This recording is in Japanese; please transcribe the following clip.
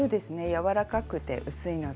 柔らかくて薄いので。